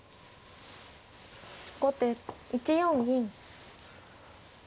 後手１四銀。